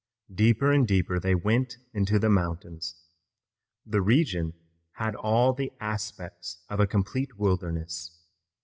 Deeper and deeper they went into the mountains. The region had all the aspects of a complete wilderness.